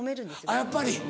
あっやっぱり。